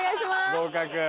合格。